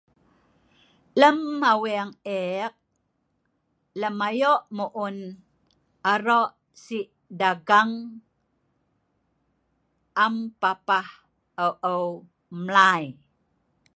Lem aweng eek, lem ayo aro dagang am mlai-mlai aro